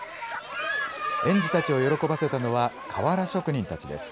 園児たちを喜ばせたのは瓦職人たちです。